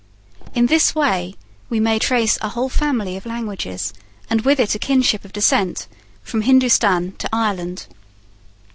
In this way we may trace a whole family of languages, and with it a kinship of descent, from Hindustan to Ireland.